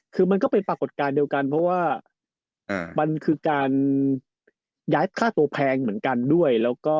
คือมันก็เป็นปรากฏการณ์เดียวกันเพราะว่ามันคือการย้ายค่าตัวแพงเหมือนกันด้วย